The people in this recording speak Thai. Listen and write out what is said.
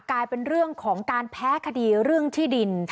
กลายเป็นเรื่องของการแพ้คดีเรื่องที่ดิน